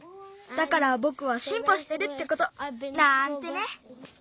だからぼくはしんぽしてるってことなんてね！